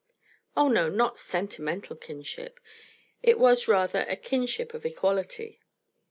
Oh, no, not sentimental kinship. It was, rather, a kinship of equality.